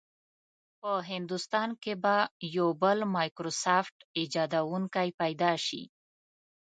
په هندوستان کې به یو بل مایکروسافټ ایجادونکی پیدا شي.